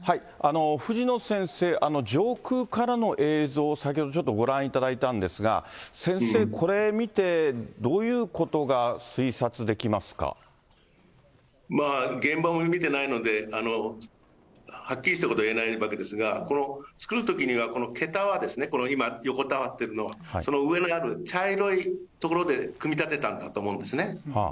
藤野先生、上空からの映像、先ほどちょっとご覧いただいたんですが、先生、これ見てどういうこと現場も見てないので、はっきりしたことは言えないわけですが、この造るときには、この桁は、この今、横たわってるのは、その上の茶色い所で組み立てたんだと思うんですね。